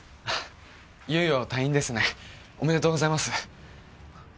いよいよ退院ですねおめでとうございます